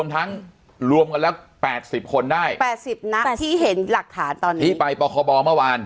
ที่ไปปคบเมื่อวาน